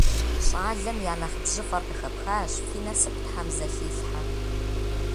Щӏалэм я нэхъ бжьыфӏэр къыхэпхащ, фи насып тхьэм зэхилъхьэ.